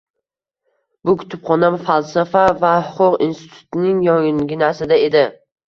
Bu kutubxona Falsafa va huquq institutining yonginasida edi.